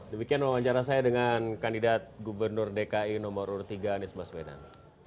kemudian wawancara saya dengan kandidat gubernur dki nomor tiga anies baspedan